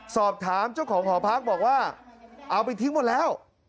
สอบถามเจ้าของหอพักบอกว่าเอาไปทิ้งหมดแล้ว